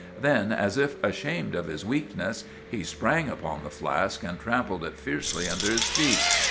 Then, as if ashamed of his weakness, he sprang upon the flask and trampled it fiercely under his feet.